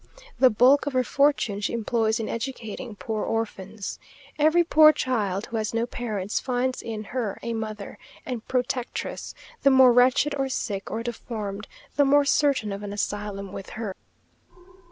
The bulk of her fortune she employs in educating poor orphans. Every poor child who has no parents, finds in her a mother and protectress; the more wretched, or sick, or deformed, the more certain of an asylum with her.